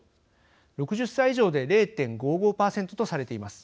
６０歳以上で０．５５％とされています。